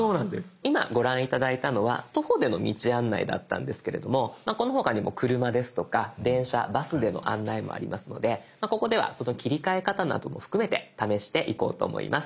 今ご覧頂いたのは徒歩での道案内だったんですけれどもこの他にも車ですとか電車バスでの案内もありますのでここではその切り替え方なども含めて試していこうと思います。